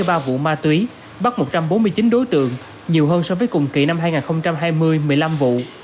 đã phát hiện tám mươi ba vụ ma túy bắt một trăm bốn mươi chín đối tượng nhiều hơn so với cùng kỳ năm hai nghìn hai mươi một mươi năm vụ